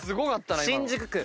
新宿区。